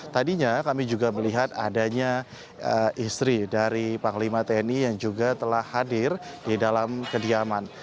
tadinya kami juga melihat adanya istri dari panglima tni yang juga telah hadir di dalam kediaman